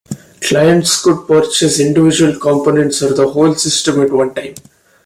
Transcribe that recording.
Clients could purchase individual components or the whole system at one time.